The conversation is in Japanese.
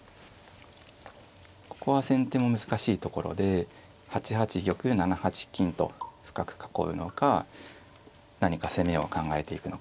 ここは先手も難しいところで８八玉７八金と深く囲うのか何か攻めを考えていくのか。